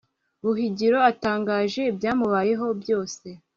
buhigiro atangaje ibyamubayeho byose